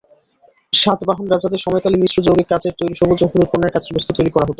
সাতবাহন রাজাদের সময়কালে মিশ্র যৌগিক কাচের তৈরী সবুজ ও হলুদ বর্ণের কাচের বস্তু তৈরী করা হত।